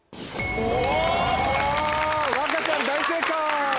わかちゃん大正解！